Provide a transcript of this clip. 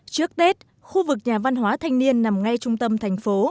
trước tết khu vực nhà văn hóa thanh niên nằm ngay trung tâm thành phố